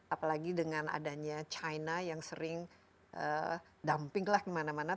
apalagi dengan adanya china yang sering dumping lah kemana mana